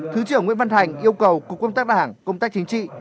thứ trưởng nguyễn văn thành yêu cầu cục công tác đảng công tác chính trị